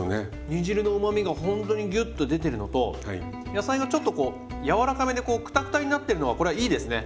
煮汁のうまみがほんとにギュッと出てるのと野菜がちょっとこう柔らかめでこうクタクタになってるのがこれはいいですね。